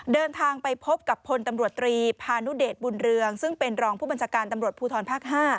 เดินทางไปพบกับพลตำรวจตรีพานุเดชบุญเรืองซึ่งเป็นรองผู้บัญชาการตำรวจภูทรภาค๕